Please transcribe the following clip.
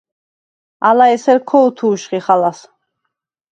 ალა ესერ ქო̄თუშხიხ ალას.